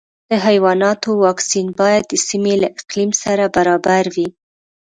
د حیواناتو واکسین باید د سیمې له اقلیم سره برابر وي.